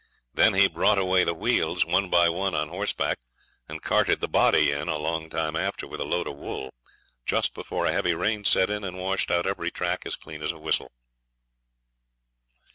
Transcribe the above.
Then he brought away the wheels one by one on horseback, and carted the body in a long time after with a load of wool, just before a heavy rain set in and washed out every track as clean as a whistle.